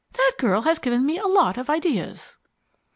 That girl has given me a lot of ideas."